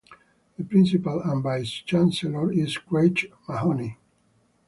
The Principal and Vice-Chancellor is Craig Mahoney.